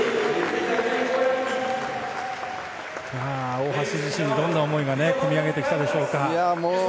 大橋自身、どんな思いが込み上げてきたでしょうか。